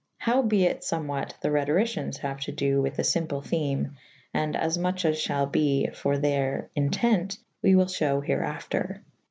Howe be it fomwhat the Rhetoriciehs haue to do with the fymple theme/ and afmoch as fhalbe for theyr entent we wyl f hew hereafter.